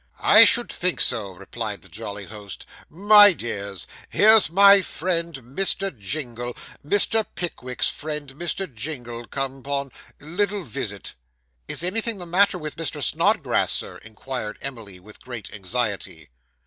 'I should think so,' replied the jolly host. 'My dears, here's my friend Mr. Jingle Mr. Pickwick's friend, Mr. Jingle, come 'pon little visit.' 'Is anything the matter with Mr. Snodgrass, Sir?' inquired Emily, with great anxiety.